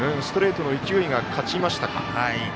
ストレートの勢いが勝ちましたか。